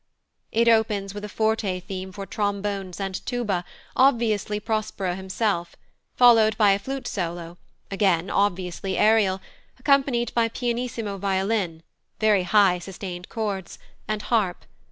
It opens with a forte theme for trombones and tuba, obviously Prospero himself; followed by flute solo, again obviously Ariel, accompanied by pianissimo violin (very high sustained chords) and harp.